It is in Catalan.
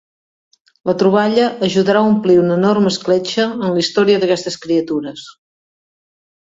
La troballa ajudarà a omplir una enorme escletxa en la història d'aquestes criatures.